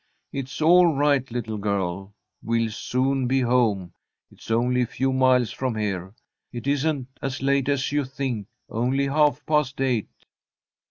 It's all right, little girl. We'll soon be home. It's only a few miles from here. It isn't as late as you think only half past eight."